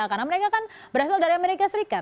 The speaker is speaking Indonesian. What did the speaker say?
karena mereka kan berasal dari malaysia